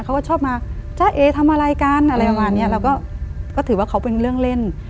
เขาก็ชอบมาจ้าเอทำอะไรกันอะไรประมาณเนี้ยเราก็ถือว่าเขาเป็นเรื่องเล่น